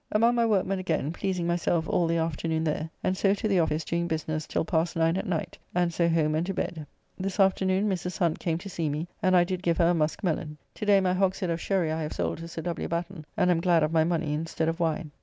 Among my workmen again, pleasing myself all the afternoon there, and so to the office doing business till past 9 at night, and so home and to bed. This afternoon Mrs. Hunt came to see me, and I did give her a Muske Millon. To day my hogshead of sherry I have sold to Sir W. Batten, and am glad of my money instead of wine.